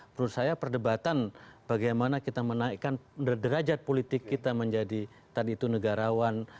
menurut saya perdebatan bagaimana kita menaikkan derajat politik kita menjadi tadi itu negarawan